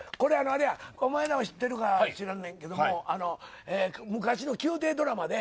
おまえらは知ってるか知らんねんけど昔の宮廷ドラマで